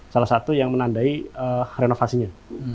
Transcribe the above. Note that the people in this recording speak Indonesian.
salah satu yang menandai renovasinya